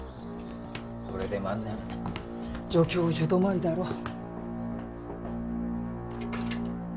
これで万年助教授止まりだろう。